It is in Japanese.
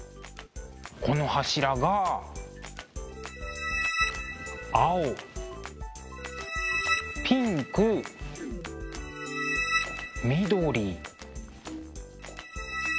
この柱が青ピンク緑赤。